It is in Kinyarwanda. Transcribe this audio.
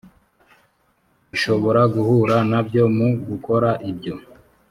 ishobora guhura na byo mu gukora iryo